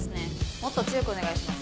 もっと強くお願いします。